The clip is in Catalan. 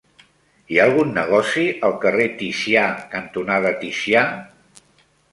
Hi ha algun negoci al carrer Ticià cantonada Ticià?